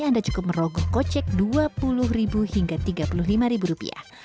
anda cukup merogoh kocek dua puluh hingga tiga puluh lima rupiah